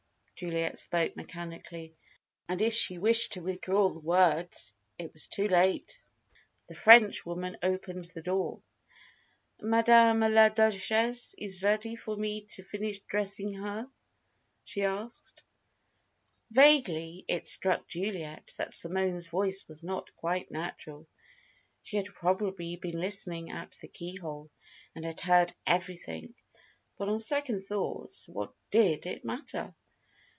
Juliet spoke mechanically; and if she wished to withdraw the words, it was too late. The Frenchwoman opened the door. "Madame la Duchesse is ready for me to finish dressing her?" she asked. Vaguely it struck Juliet that Simone's voice was not quite natural. She had probably been listening at the keyhole, and had heard everything. But, on second thoughts, what did it matter?